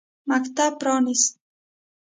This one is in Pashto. مکتب پرانیست.